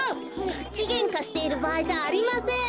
くちげんかしているばあいじゃありません。